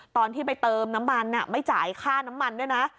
ตอนที่ไปเติมน้ำมันไม่จ่ายค่าน้ำมันด้วยนะ